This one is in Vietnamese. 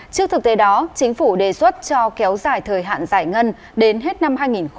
trước thực tế đó chính phủ đề xuất cho kéo dài thời hạn giải ngân đến hết năm hai nghìn hai mươi